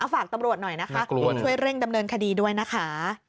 ฝากตำรวจหน่อยนะคะช่วยเร่งดำเนินคดีด้วยนะคะ